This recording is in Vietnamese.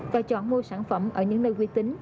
và chọn mua sản phẩm ở những nơi quy tính